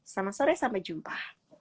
sama sore sampai jumpa